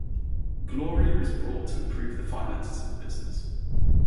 Gloria is brought to improve the finances of the business.